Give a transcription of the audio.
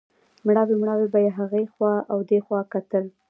مړاوی مړاوی به یې هخوا او دېخوا کتل.